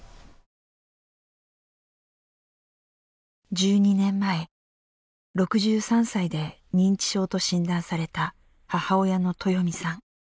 １２年前、６３歳で認知症と診断された、母親のトヨミさん。